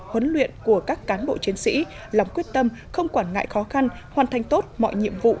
huấn luyện của các cán bộ chiến sĩ lòng quyết tâm không quản ngại khó khăn hoàn thành tốt mọi nhiệm vụ